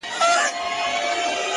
د ازلي قهرمانانو وطن؛